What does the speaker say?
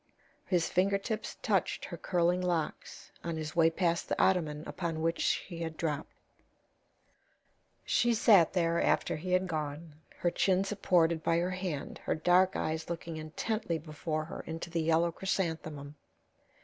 His finger tips touched her curling locks on his way past the ottoman upon which she had dropped. She sat there after he had gone, her chin supported by her hand, her dark eyes looking intently before her into the yellow chrysanthemum.